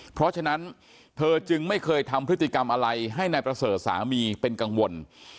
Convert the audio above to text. เพราะฉะนั้นเธอจึงไม่เคยทำพฤติกรรมอะไรให้นายประเสริฐสามีเป็นกังวล